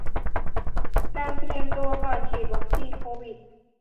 การเตรียมตัวก่อนฉีดวัคซีนโควิด